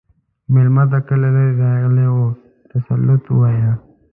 مېلمه ته که له لرې راغلی وي، تسلیت وایه.